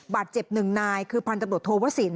บัตรเจ็บ๑นายคือพันธุ์ตำรวจโทวศิลป์